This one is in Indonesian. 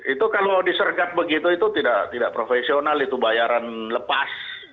itu kalau disergap begitu itu tidak profesional itu bayaran lepas